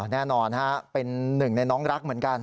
แน่นอนเป็นหนึ่งในน้องรักเหมือนกัน